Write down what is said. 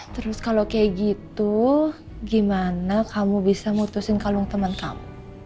terus kalau kayak gitu gimana kamu bisa mutusin kalung teman kamu